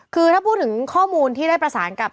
คือถ้าพูดถึงข้อมูลที่ได้ประสานกับ